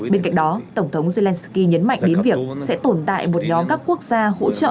bên cạnh đó tổng thống zelensky nhấn mạnh đến việc sẽ tồn tại một nhóm các quốc gia hỗ trợ